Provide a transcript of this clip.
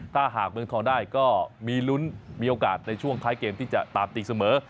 ถ้าหากเมืองทองได้ก็มีลุ้นมีโอกาสในช่วงท้ายเกมที่จะตามตีเสมอ